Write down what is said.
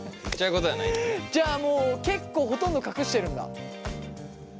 じゃあもう結構ほとんど隠してるんだ？